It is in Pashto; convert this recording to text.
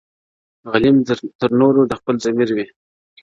غلیم تر نورو د خپل ضمیر وي -